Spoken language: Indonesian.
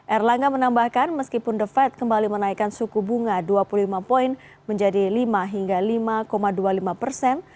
erlangga menambahkan meskipun the fed kembali menaikkan suku bunga dua puluh lima poin menjadi lima hingga lima dua puluh lima persen